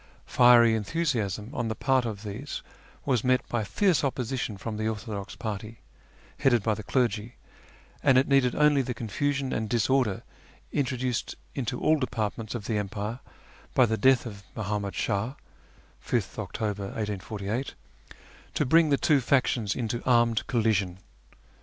Fiery enthusiasm on the part of these was met by fierce opposition from the orthodox party, headed by the clergy, and it needed only the confusion and disorder introduced into all departments of the empire by the death of Muhammad Shah (5th October 1848) to bring the two factions into armed collision.